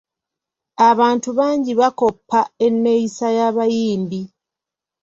Abantu bangi bakoppa enneeyisa y'abayimbi.